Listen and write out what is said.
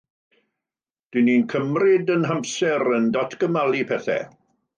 Rydyn ni'n cymryd ein hamser, yn datgymalu pethau.